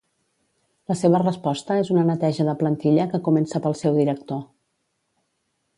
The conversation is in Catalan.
La seva resposta és una neteja de plantilla que comença pel seu director.